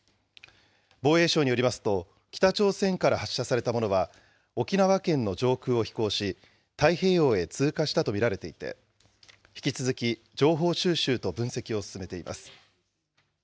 防衛省によりますと、北朝鮮から発射されたものは、沖縄県の上空を飛行し、太平洋へ通過したと見られていて、引き続き情報収集と分析を進めています。